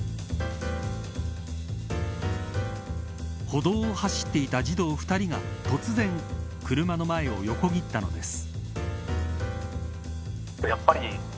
歩道を走っていた児童２人が突然、車の前を横切ったのです。